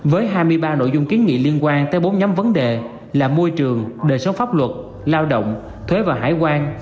với hai mươi ba nội dung kiến nghị liên quan tới bốn nhóm vấn đề là môi trường đời sống pháp luật lao động thuế và hải quan